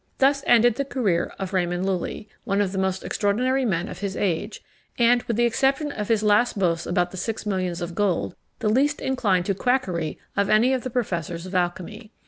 Thus ended the career of Raymond Lulli, one of the most extraordinary men of his age; and, with the exception of his last boast about the six millions of gold, the least inclined to quackery of any of the professors of alchymy.